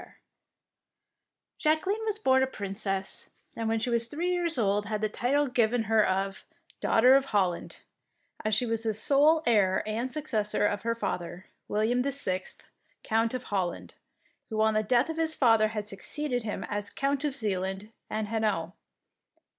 54 THE PKINCESS WINS Jacqueline was born a princess, and when she was three years old, had the title given her of ^'Daughter of Hol land/^ as she was the sole heir and suc cessor of her father, William the Sixth, Count of Holland, who on the death of his father had succeeded him as Count of Zealand and Hainault.